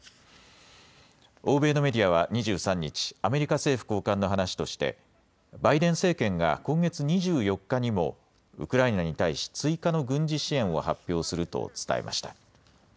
欧米のメディアは２３日、アメリカ政府高官の話としてバイデン政権が今月２４日にもウクライナに対し追加の軍事支援を発表すると伝えました。